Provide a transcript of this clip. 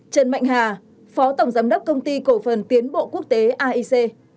trần mạnh hà phó tổng giám đốc công ty cổ phần tiến bộ quốc tế aic